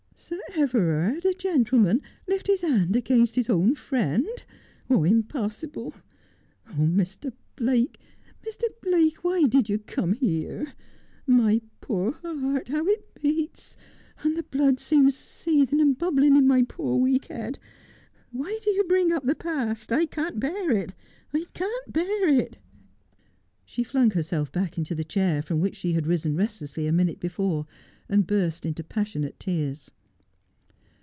' Sir Everard, a gentleman, lift his hand against his own friend ! Impossible. Ah, Mr. Blake, Mr. Blake, why did you come here '] My poor heart, how it beats ! and the blood seems seething and bubbling in my poor weak head. Why do you bring up the past? I can't bear it — I can't bear it.' She thing herself back into the chair, from which she had ri. .eu restlessly a minute before, and burst into passionate tears.